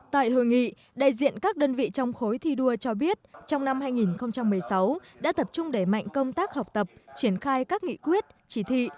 tại hội nghị đại diện các đơn vị trong khối thi đua cho biết trong năm hai nghìn một mươi sáu đã tập trung đẩy mạnh công tác học tập triển khai các nghị quyết chỉ thị